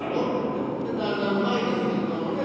「でもね旦那の前ですけれどもね